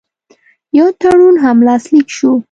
یو تړون هم لاسلیک شو.